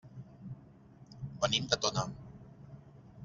Venim de Tona.